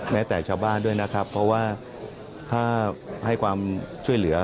แม้แต่ชาวบ้านด้วยนะครับเพราะว่าถ้าให้ความช่วยเหลือ